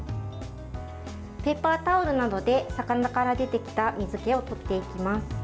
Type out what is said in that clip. ペーパータオルなどで魚から出てきた水けをとっていきます。